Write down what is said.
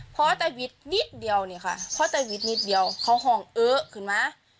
เพราะแต่วิทย์นิดเดียวเนี่ยค่ะเพราะแต่วิทย์นิดเดียวเขาห่องเออขึ้นมา